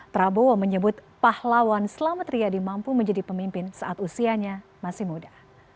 prabowo menyebut pahlawan selamat riyadi mampu menjadi pemimpin saat usianya masih muda